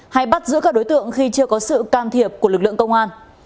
hay bắt giữ các đối tượng khi chưa có sự can thiệp của lực lượng công an